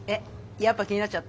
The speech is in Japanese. やっぱ気になっちゃった？